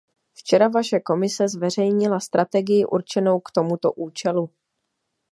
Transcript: Včera vaše Komise zveřejnila strategii určenou k tomuto účelu.